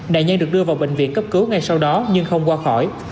nạn nhân được đưa vào bệnh viện cấp cứu ngay sau đó nhưng không qua khỏi